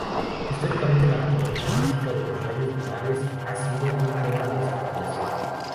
Históricamente, la naturaleza física de los rayos lunares ha sido un tema de especulación.